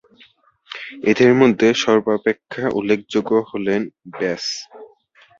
এঁদের মধ্যে সর্বাপেক্ষা উল্লেখযোগ্য হলেন ব্যাস।